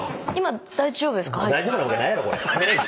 大丈夫なわけないやろこれ。